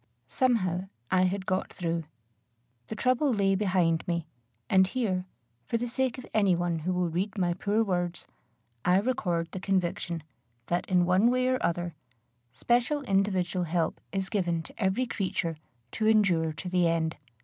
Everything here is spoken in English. Somehow I had got through. The trouble lay behind me; and here, for the sake of any one who will read my poor words, I record the conviction, that, in one way or other, special individual help is given to every creature to endure to the end.